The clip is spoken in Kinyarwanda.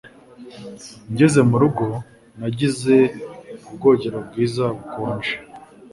Ngeze mu rugo, nagize ubwogero bwiza, bukonje